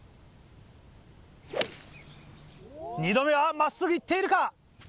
２度目は真っすぐ行っているか？